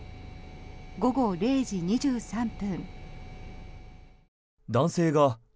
午後０時２３分。